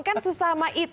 kan sesama it